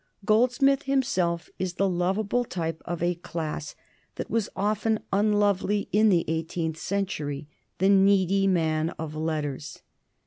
Goldsmith himself is the lovable type of a class that was often unlovely in the eighteenth century, the needy man of letters.